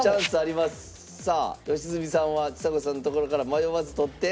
さあ良純さんはちさ子さんのところから迷わず取って。